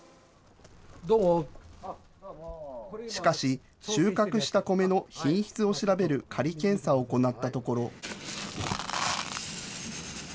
しかし、収穫したコメの品質を調べる仮検査を行ったところ。